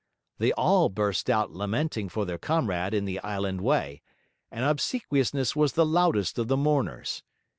They all burst out lamenting for their comrade in the island way, and Obsequiousness was the loudest of the mourners.